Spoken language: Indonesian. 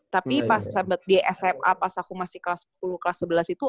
tapi pas di sma pas aku masih kelas sepuluh kelas sebelas itu